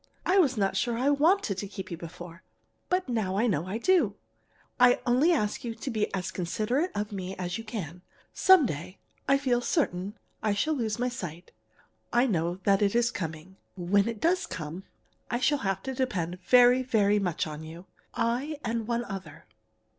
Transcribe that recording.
I was not sure I wanted to keep you before, but now I know that I do. I only ask you to be as considerate of me as you can. Some day, I feel certain, I shall lose my sight. I know that it is coming. When it does come, I shall have to depend very, very much on you. I and one other.